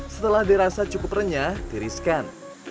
setelah dirasa cukup renyah tiriskan